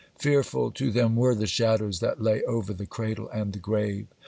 Fearful to them were the shadows that lay over the cradle and the grave.